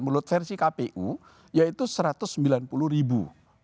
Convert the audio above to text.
menurut versi kpu yaitu satu ratus sembilan puluh ribu